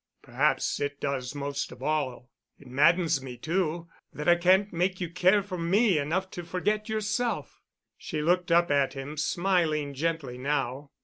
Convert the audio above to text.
"Perhaps it does—most of all. It maddens me, too—that I can't make you care for me enough to forget yourself." She looked up at him, smiling gently now.